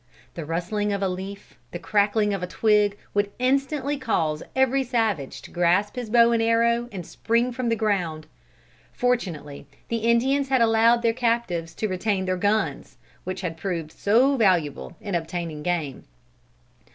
The rustling of a leaf, the crackling of a twig, would instantly cause every savage to grasp his bow and arrow and spring from the ground. Fortunately the Indians had allowed their captives to retain their guns, which had proved so valuable in obtaining game.